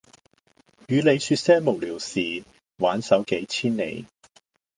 與你說些無聊事挽手幾千里